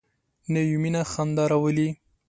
نوې مینه خندا راولي